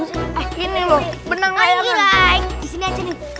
eh ini loh